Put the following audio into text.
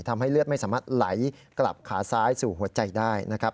ทำให้เลือดไม่สามารถไหลกลับขาซ้ายสู่หัวใจได้นะครับ